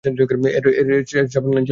এর সাবেক নাম ছিল কুইন্স পার্ক।